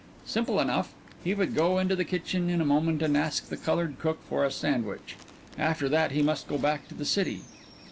Simple enough! He would go into the kitchen in a moment and ask the colored cook for a sandwich. After that he must go back to the city.